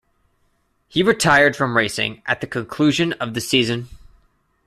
He retired from racing at the conclusion of the season.